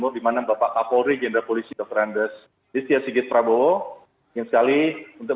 di mana bapak kapolri jenderal polisi dr andes listia sigit prabowo ingin sekali untuk